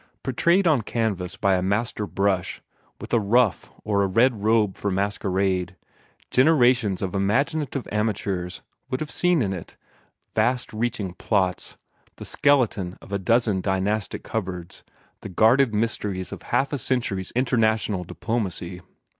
Portrayed on canvas by a master brush, with a ruff or a red robe for masquerade, generations of imaginative amateurs would have seen in it vast reaching plots, the skeletons of a dozen dynastic cupboards, the guarded mysteries of half a century's international diplomacy.